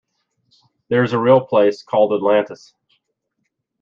There is a real place called Atlantis.